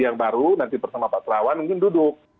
yang baru nanti bersama pak terawan mungkin duduk